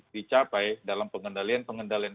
dicapai dalam pengendalian pengendalian